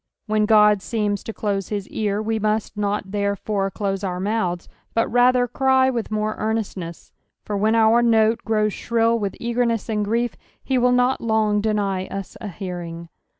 When Ood seems to close his ear, we must not therefore close our mouths, but rather cry with more earnestness ; for when our note grows shrill with eagerness and grief, he will not lone deny us a hearing.